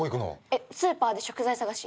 えっスーパーで食材探し。